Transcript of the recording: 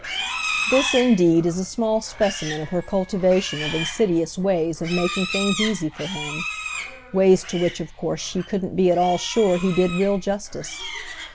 This indeed is a small specimen of her cultivation of insidious ways of making things easy for him—ways to which of course she couldn't be at all sure he did real justice.